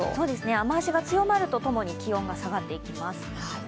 雨足が強まるとともに気温が下がっていきます。